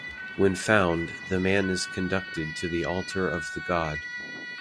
When found, the man is conducted to the altar of the god.